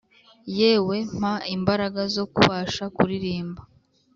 yewe mpa imbaraga zo kubasha kuririmba